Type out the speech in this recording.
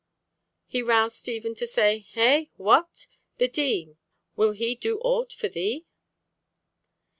This roused Stephen to say, "Eh? What? The Dean, will he do aught for thee?"